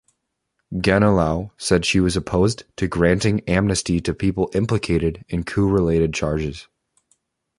Ganilau said she was opposed to granting amnesty to people implicated in coup-related charges.